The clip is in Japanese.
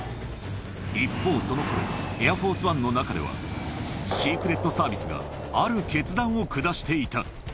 一方、そのころ、エアフォースワンの中では、シークレットサービスがある決断を下していた。